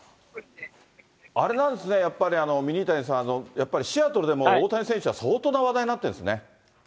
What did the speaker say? あれなんですね、やっぱりミニタニさん、やっぱりシアトルでも、大谷選手は相当な話題になってるんですね。